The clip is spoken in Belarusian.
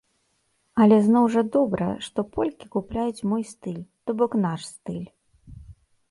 Але зноў жа добра, што полькі купляюць мой стыль, то бок наш стыль.